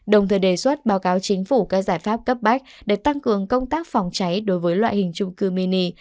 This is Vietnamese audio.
đồng thời đề xuất báo cáo chính phủ các giải pháp cấp bách để tăng cường công tác phòng cháy đối với loại hình trung cư mini